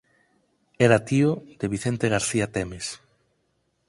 Era tío de Vicente García Temes.